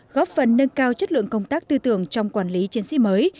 góp phần nâng cao chất lượng công tác tư tưởng trong quản lý chiến sĩ mới